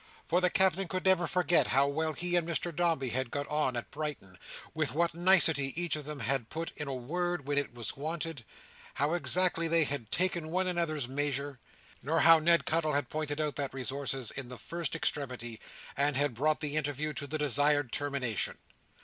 For the Captain never could forget how well he and Mr Dombey had got on at Brighton; with what nicety each of them had put in a word when it was wanted; how exactly they had taken one another's measure; nor how Ned Cuttle had pointed out that resources in the first extremity, and had brought the interview to the desired termination.